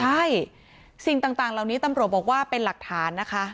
ใช่สิ่งต่างเหล่านี้ตำรวจบอกว่าเป็นหลักฐานนะคะ